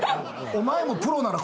お前もプロなら。